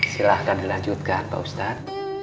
silahkan dilanjutkan pak ustaz